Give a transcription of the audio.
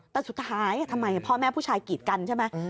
แต่สุดท้ายทำไมพ่อแม่ผู้ชายกีดกันใช่ไหม